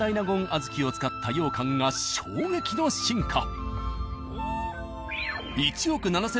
小豆を使ったようかんが衝撃の進化！